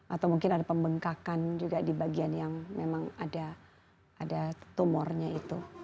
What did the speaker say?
atau mungkin ada pembengkakan juga di bagian yang memang ada tumornya itu